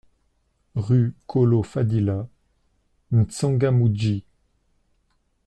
Rue Colo Fadila, M'Tsangamouji